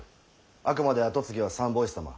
あくまで後継ぎは三法師様。